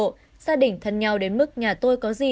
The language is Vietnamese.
gia đình thân nhau đến mức nhà tôi có gì